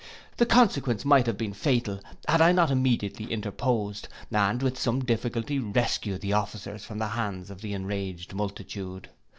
The consequence might have been fatal, had I not immediately interposed, and with some difficulty rescued the officers from the hands of the enraged multitude.